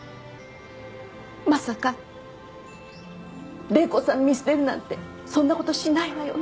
まさか玲子さん見捨てるなんてそんな事しないわよね。